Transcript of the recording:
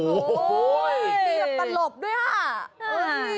ตีดับตลบด้วยค่ะ